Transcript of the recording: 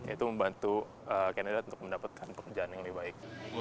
itu membantu kandidat untuk mendapatkan pekerjaan yang lebih baik